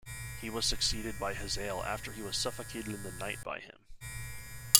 He was succeeded by Hazael after he was suffocated in the night by him.